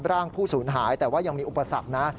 ร่างผู้ศูนย์หายแต่ว่ายังมีอุปสรรคนะ